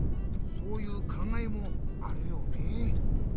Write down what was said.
そういうかんがえもあるよね。